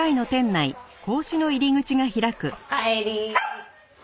おかえり。